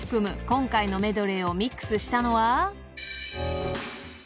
今回のメドレーをミックスしたのは］